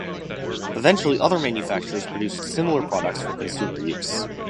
Eventually other manufacturers produced similar products for consumer use.